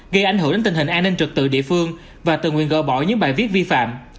gây ảnh hưởng đến tình hình an ninh trực tự địa phương và tự nguyện gỡ bỏ những bài viết vi phạm